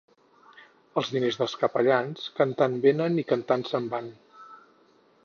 Els diners dels capellans, cantant venen i cantant se'n van.